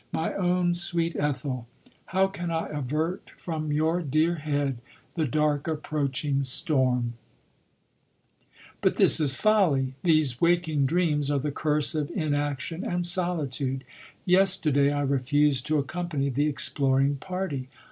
Mv own sweet 48 LODORE. Ethel ! how can I avert from your dear head the dark approaching storm ?" But this is folly. These waking dreams are the curse of inaction and solitude. Yester day I refused to accompany the exploring party.